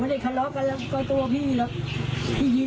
นี่แบบการเสน่หาอะไรก็คือเราอยากดีบี่